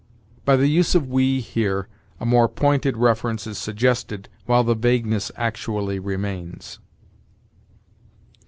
By the use of 'we' here, a more pointed reference is suggested, while the vagueness actually remains.